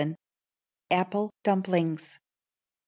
Apple Dumplings.